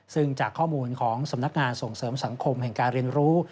ซึ่งจากข้อมูลของสำนักงานส่งเสริมสังคมแห่งการเรียนรู้